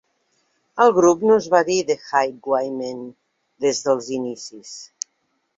El grup no es va dir "The Highwaymen" des dels inicis.